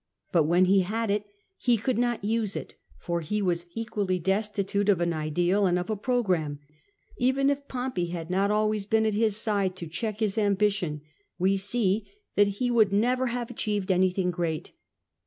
But when he had it, he could not use it, for he was equally destitute of an ideal and of a programme. Even if Pompey had not always been at his side to check his ambition, we see that he would THE MORAL OF HIS FATE 203 never have achieved anything great.